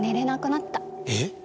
えっ？